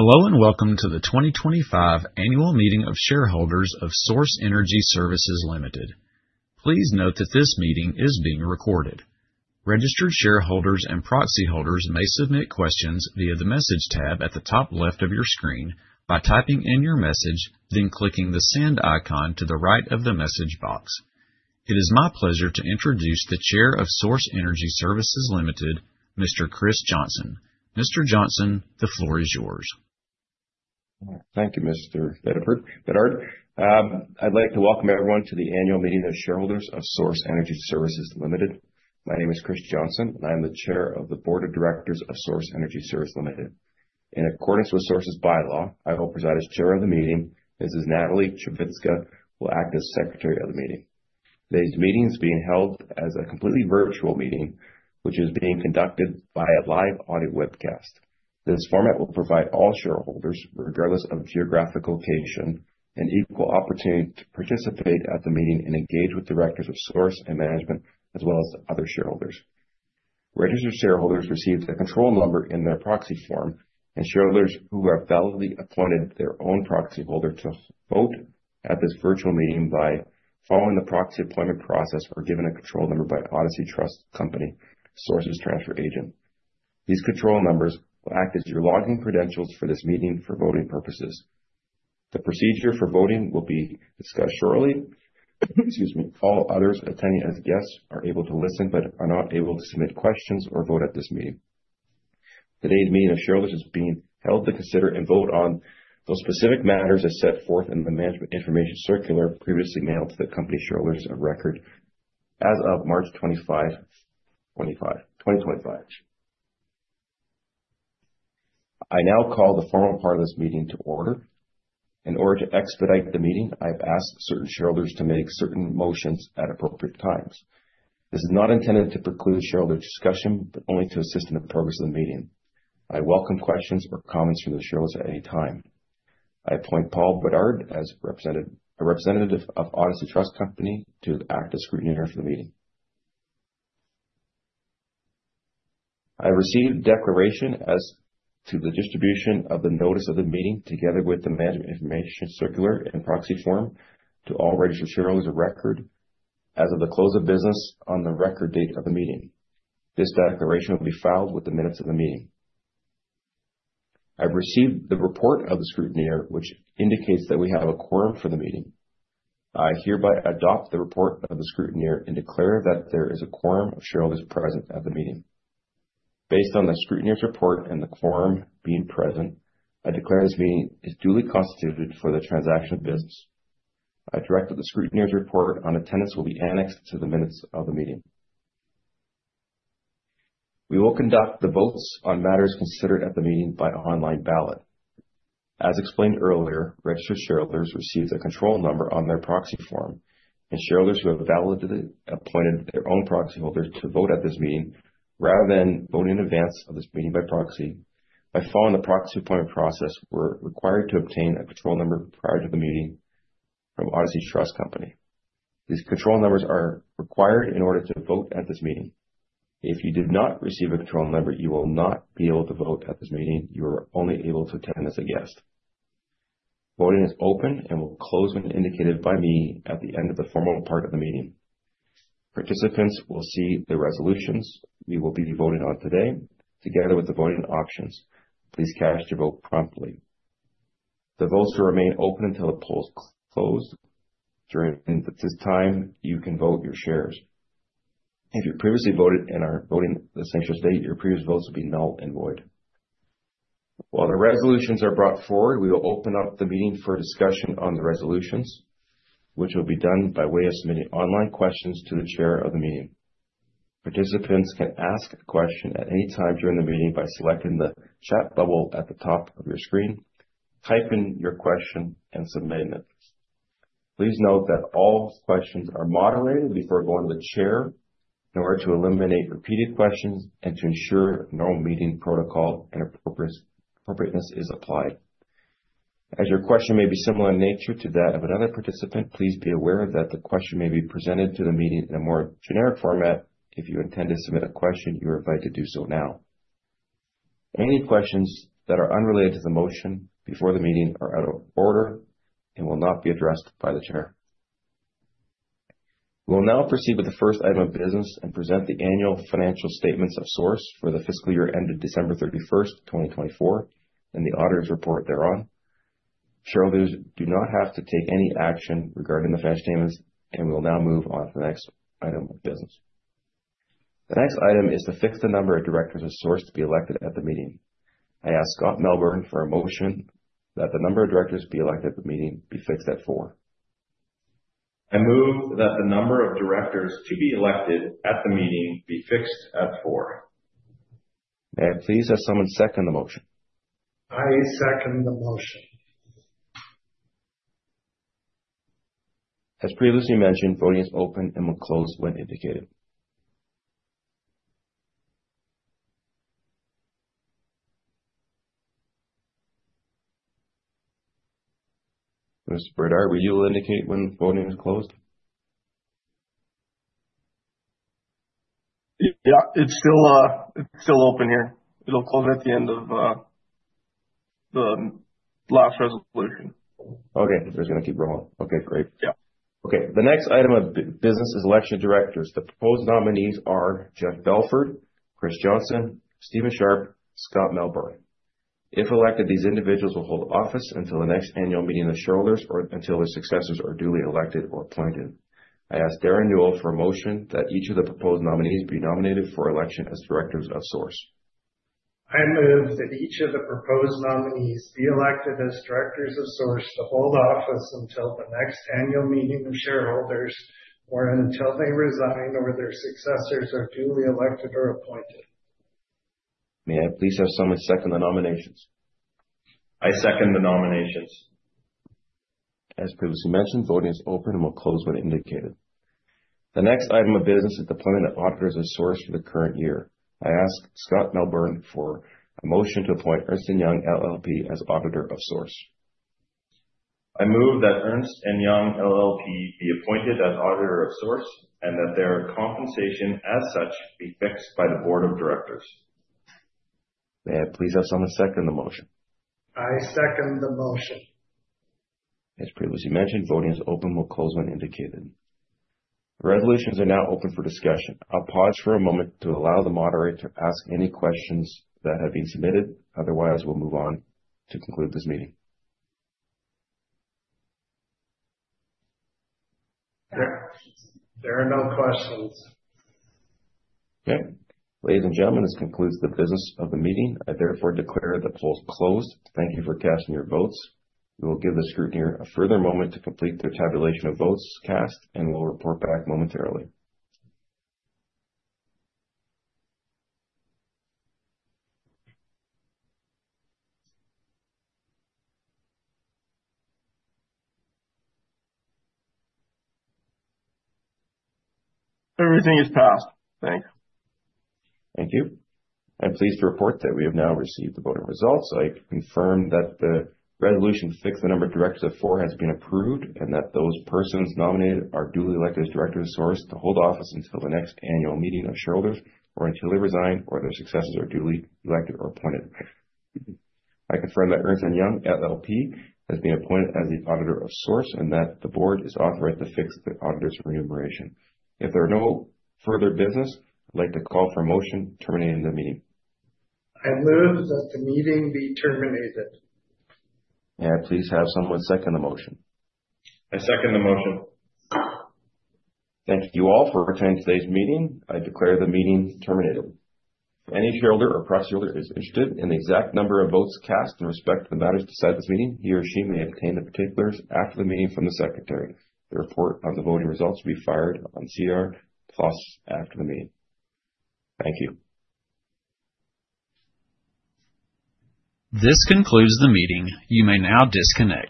Hello and welcome to the 2025 Annual Meeting of Shareholders of Source Energy Services Limited. Please note that this meeting is being recorded. Registered shareholders and proxy holders may submit questions via the Message tab at the top left of your screen by typing in your message, then clicking the Send icon to the right of the Message box. It is my pleasure to introduce the Chair of Source Energy Services Limited, Mr. Chris Johnson. Mr. Johnson, the floor is yours. Thank you, Mr. Federburg. I'd like to welcome everyone to the Annual Meeting of Shareholders of Source Energy Services Limited. My name is Chris Johnson, and I am the Chair of the Board of Directors of Source Energy Services Limited. In accordance with Source's bylaw, I will preside as Chair of the meeting. Mrs. Natalie Chavitska will act as Secretary of the meeting. Today's meeting is being held as a completely virtual meeting, which is being conducted by a live audio webcast. This format will provide all shareholders, regardless of geographic location, an equal opportunity to participate at the meeting and engage with directors of Source and management, as well as other shareholders. Registered shareholders receive the control number in their proxy form, and shareholders who have validly appointed their own proxy holder to vote at this virtual meeting by following the proxy appointment process are given a control number by Odyssey Trust Company, Source's transfer agent. These control numbers will act as your login credentials for this meeting for voting purposes. The procedure for voting will be discussed shortly. Excuse me. All others attending as guests are able to listen but are not able to submit questions or vote at this meeting. Today's meeting of shareholders is being held to consider and vote on those specific matters as set forth in the Management Information Circular previously mailed to the company shareholders of record as of March 25, 2025. I now call the formal part of this meeting to order. In order to expedite the meeting, I have asked certain shareholders to make certain motions at appropriate times. This is not intended to preclude shareholder discussion, but only to assist in the progress of the meeting. I welcome questions or comments from the shareholders at any time. I appoint Paul Bedard as a representative of Odyssey Trust Company to act as scrutineer for the meeting. I have received a declaration as to the distribution of the notice of the meeting together with the Management Information Circular and proxy form to all registered shareholders of record as of the close of business on the record date of the meeting. This declaration will be filed with the minutes of the meeting. I've received the report of the scrutineer, which indicates that we have a quorum for the meeting. I hereby adopt the report of the scrutineer and declare that there is a quorum of shareholders present at the meeting. Based on the scrutineer's report and the quorum being present, I declare this meeting is duly constituted for the transaction of business. I direct that the scrutineer's report on attendance will be annexed to the minutes of the meeting. We will conduct the votes on matters considered at the meeting by online ballot. As explained earlier, registered shareholders receive a control number on their proxy form, and shareholders who have validly appointed their own proxy holders to vote at this meeting, rather than voting in advance of this meeting by proxy, by following the proxy appointment process, were required to obtain a control number prior to the meeting from Odyssey Trust Company. These control numbers are required in order to vote at this meeting. If you did not receive a control number, you will not be able to vote at this meeting. You are only able to attend as a guest. Voting is open and will close when indicated by me at the end of the formal part of the meeting. Participants will see the resolutions we will be voting on today together with the voting options. Please cast your vote promptly. The votes will remain open until the polls close. During this time, you can vote your shares. If you previously voted and are voting the same shares, your previous votes will be null and void. While the resolutions are brought forward, we will open up the meeting for discussion on the resolutions, which will be done by way of submitting online questions to the Chair of the meeting. Participants can ask a question at any time during the meeting by selecting the chat bubble at the top of your screen, typing your question, and submitting it. Please note that all questions are moderated before going to the Chair in order to eliminate repeated questions and to ensure normal meeting protocol and appropriateness is applied. As your question may be similar in nature to that of another participant, please be aware that the question may be presented to the meeting in a more generic format. If you intend to submit a question, you are invited to do so now. Any questions that are unrelated to the motion before the meeting are out of order and will not be addressed by the Chair. We will now proceed with the first item of business and present the annual financial statements of Source Energy Services for the fiscal year ended December 31, 2024, and the auditor's report thereon. Shareholders do not have to take any action regarding the financial statements, and we will now move on to the next item of business. The next item is to fix the number of directors of Source Energy Services to be elected at the meeting. I ask Scott Melbourn for a motion that the number of directors to be elected at the meeting be fixed at four. I move that the number of directors to be elected at the meeting be fixed at four. May I please have someone second the motion? I second the motion. As previously mentioned, voting is open and will close when indicated. Mr. Bedard, were you able to indicate when voting is closed? Yeah, it's still open here. It'll close at the end of the last resolution. Okay. They're just going to keep rolling. Okay. Great. Yeah. Okay. The next item of business is election directors. The proposed nominees are Jeff Belford, Chris Johnson, Stephen Sharp, Scott Melbourn. If elected, these individuals will hold office until the next annual meeting of shareholders or until their successors are duly elected or appointed. I ask Derren Newell for a motion that each of the proposed nominees be nominated for election as directors of Source. I move that each of the proposed nominees be elected as directors of Source to hold office until the next annual meeting of shareholders or until they resign or their successors are duly elected or appointed. May I please have someone second the nominations? I second the nominations. As previously mentioned, voting is open and will close when indicated. The next item of business is the appointment of auditors of Source for the current year. I ask Scott Melbourn for a motion to appoint Ernst & Young LLP as auditor of Source. I move that Ernst & Young LLP be appointed as auditor of Source and that their compensation as such be fixed by the board of directors. May I please have someone second the motion? I second the motion. As previously mentioned, voting is open and will close when indicated. Resolutions are now open for discussion. I'll pause for a moment to allow the moderator to ask any questions that have been submitted. Otherwise, we'll move on to conclude this meeting. There are no questions. Okay. Ladies and gentlemen, this concludes the business of the meeting. I therefore declare the polls closed. Thank you for casting your votes. We will give the scrutineer a further moment to complete their tabulation of votes cast and will report back momentarily. Everything is passed. Thanks. Thank you. I'm pleased to report that we have now received the voting results. I confirm that the resolution to fix the number of directors of Source has been approved and that those persons nominated are duly elected as directors of Source to hold office until the next annual meeting of shareholders or until they resign or their successors are duly elected or appointed. I confirm that Ernst & Young LLP has been appointed as the auditor of Source and that the board is authorized to fix the auditor's remuneration. If there are no further business, I'd like to call for a motion terminating the meeting. I move that the meeting be terminated. May I please have someone second the motion? I second the motion. Thank you all for attending today's meeting. I declare the meeting terminated. If any shareholder or proxy holder is interested in the exact number of votes cast in respect to the matters decided at this meeting, he or she may obtain the particulars after the meeting from the Secretary. The report of the voting results will be filed on SEDAR+ after the meeting. Thank you. This concludes the meeting. You may now disconnect.